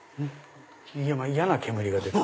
嫌な煙が出た。